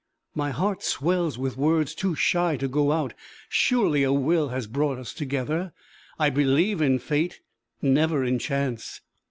"My heart swells with words too shy to go out. Surely a Will has brought us together! I believe in fate, never in chance!